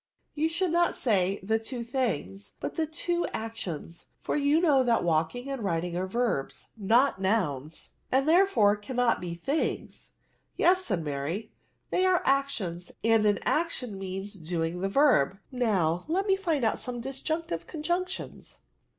You should not say, the two things, but the two actions, for you know that walking and riding are verbs, not nouns, and therefore cannot be things." " Yes," said Mary, they are actions^ and an action means doing the verb. Now» let me find out some disjunctive conjunQtioms« K 2 too INTERJECTIONS.